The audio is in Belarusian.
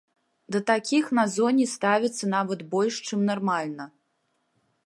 Да такіх на зоне ставяцца нават больш чым нармальна.